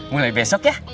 mulai besok ya